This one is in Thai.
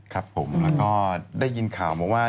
ครับผมแล้วก็ได้ยินข่าวมาว่า